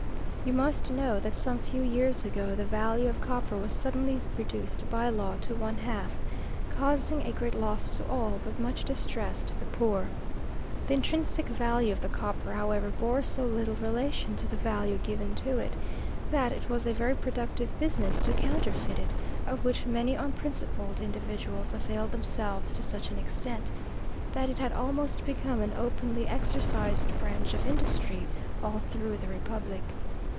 You must know, that some few years ago, the value of copper was suddenly reduced by law to one half, causing a great loss to all, but much distress to the poor. The intrinsic value of the copper, however, bore so little relation to the value given to it, that it was a very productive business to counterfeit it, of which many unprincipled individuals availed themselves to such an extent, that it had almost become an openly exercised branch of industry all through the republic.